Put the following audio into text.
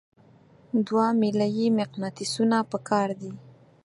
دوه میله یي مقناطیسونه پکار دي.